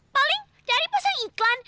paling dari pesan iklan